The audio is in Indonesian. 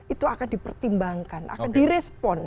itu akan dipertimbangkan akan direspon